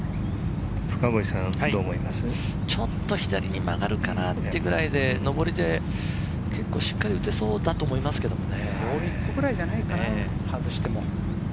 ちょっと左に曲がるかなっていうぐらいで、のぼりで結構しっかり打てそうだと思いますけどね。